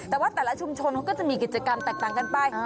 แต่ว่าแต่ละชุมชนเขาก็จะมีกิจกรรมแตกต่างกันไป